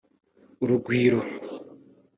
urugwiro